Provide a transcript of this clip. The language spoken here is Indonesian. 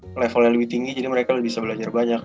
yang levelnya lebih tinggi jadi mereka bisa belajar banyak